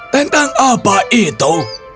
tentang apa itu